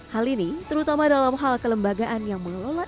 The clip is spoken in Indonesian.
hal ini terutama dalam hal kelembagaan yang mengelola